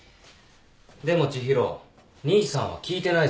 でも知博兄さんは聞いてないぞ。